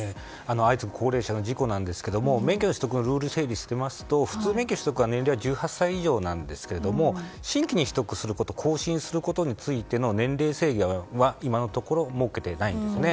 相次ぐ高齢者の事故なんですが免許の取得をルール整備されて免許の取得は通常は年齢は１８歳以上なんですが新規に取得することと更新することについての年齢制限は今のところ設けてないんですよね。